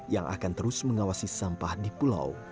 yang akan terus mengawasi sampah di pulau